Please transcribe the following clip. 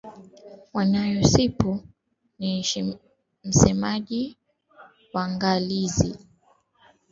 mwanawe sipisu ni msemaji wangalizi jumuiya ya madola